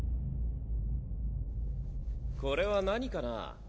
これは何かな？